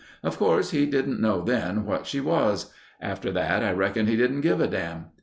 Of course he didn't know then what she was. After that I reckon he didn't give a dam'.